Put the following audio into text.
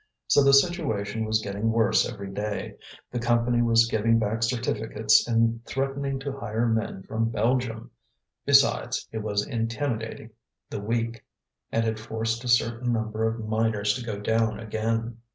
So the situation was getting worse every day; the Company was giving back certificates and threatening to hire men from Belgium; besides, it was intimidating the weak, and had forced a certain number of miners to go down again.